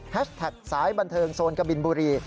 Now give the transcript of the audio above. แท็กสายบันเทิงโซนกบินบุรี